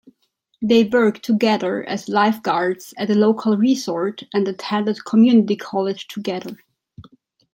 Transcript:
They worked together as lifeguards at a local resort and attended community college together.